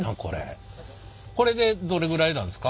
これでどれぐらいなんですか？